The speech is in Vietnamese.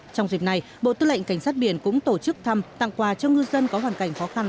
trong dịp này bộ tư lệnh cảnh sát biển cũng tổ chức thăm tặng quà cho ngư dân có hoàn cảnh khó khăn